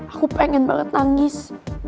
aku pengen banget nangis